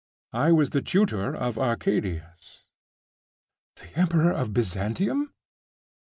I was the tutor of Arcadius.' 'The Emperor of Byzantium?